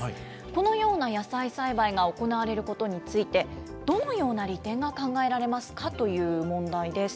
このような野菜栽培が行われることについて、どのような利点が考えられますかという問題です。